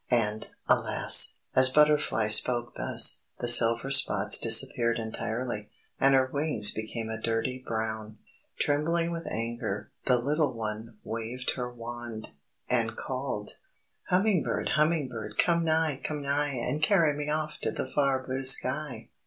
And, alas! as Butterfly spoke thus, the silver spots disappeared entirely, and her wings became a dirty brown. Trembling with anger, the little one waved her wand, and called: "_Hummingbird! Hummingbird! Come nigh! Come nigh! And carry me off To the far Blue Sky!